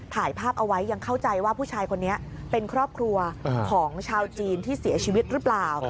ถ่ายภาพเอาไว้ยังเข้าใจว่าผู้ชายคนนี้เป็นครอบครัวของชาวจีนที่เสียชีวิตหรือเปล่า